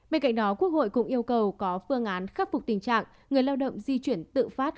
bên cạnh đó quốc hội cũng yêu cầu có phương án khắc phục tình trạng người lao động di chuyển tự phát